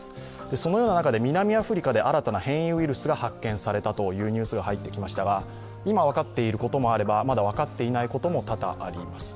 そのような中で南アフリカで新たな変異ウイルスが発見されたというニュースが入ってきましたが今分かっていることもあれば、まだ分かっていないことも多々あります。